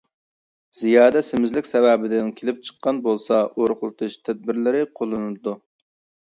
زىيادە سېمىزلىك سەۋەبىدىن كېلىپ چىققان بولسا، ئورۇقلىتىش تەدبىرلىرى قوللىنىلىدۇ.